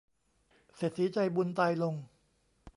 เศรษฐีใจบุญตายลง